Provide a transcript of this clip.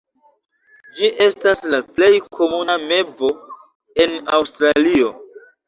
Ĝi estas la plej komuna mevo en Aŭstralio.